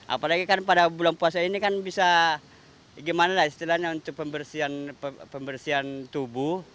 apalagi kan pada bulan puasa ini kan bisa gimana lah istilahnya untuk pembersihan tubuh